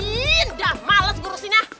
udah males gue urusin ya